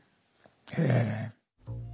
へえ。